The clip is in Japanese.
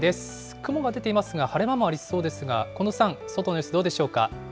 雲が出ていますが、晴れ間もありそうですが、近藤さん、外の様子